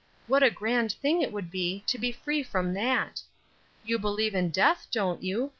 What a grand thing it would be to be free from that! You believe in death, don't you?